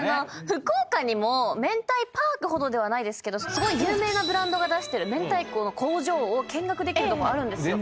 福岡にもめんたいパークほどではないですけどすごい有名なブランドが出してる明太子の工場を見学できるところあるんですよ